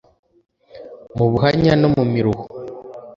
Mu buhanya no mu miruho